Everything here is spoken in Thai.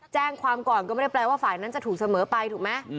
แจ้งความก่อนก็ไม่ได้แปลว่าฝ่ายนั้นจะถูกเสมอไปถูกไหม